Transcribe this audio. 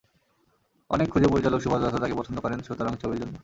অনেক খুঁজে পরিচালক সুভাষ দত্ত তাঁকে পছন্দ করেন সুতরাং ছবির জন্য।